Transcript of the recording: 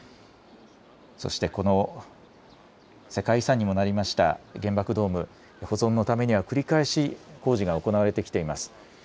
そして世界遺産にもなりました原爆ドーム、保存のために繰り返し工事が行われてきています。